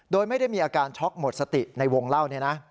โดยไม่ได้มีอาการช็อกหมดสติในวงเล่าเนี่ยนะ